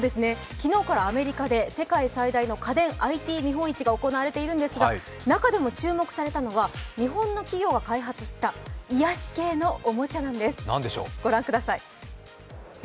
昨日からアメリカで世界最大の家電ＩＴ見本市が行われていますが中でも注目されたのは日本の企業が開発した癒やし系のおもちゃなんです。